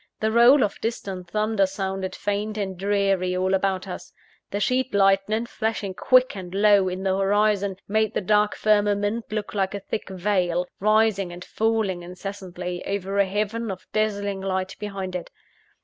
The roll of distant thunder sounded faint and dreary all about us. The sheet lightning, flashing quick and low in the horizon, made the dark firmament look like a thick veil, rising and falling incessantly, over a heaven of dazzling light behind it.